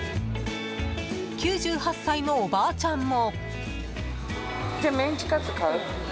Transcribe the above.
９８歳のおばあちゃんも。